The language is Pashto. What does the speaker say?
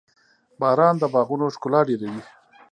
• باران د باغونو ښکلا ډېروي.